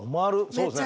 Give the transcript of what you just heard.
そうですね。